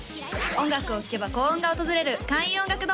音楽を聴けば幸運が訪れる開運音楽堂